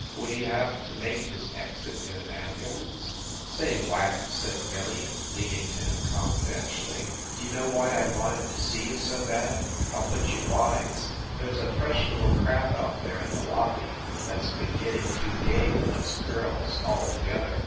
Would he have to make his exit in an ambulance ? "Say, Whack," said Millie, leaning to him confi dentially, "D you know why I wanted to see you so bad? I ll put you wise. There s a fresh little crab out there in the lobby that s been getting too gay with us girls altogether.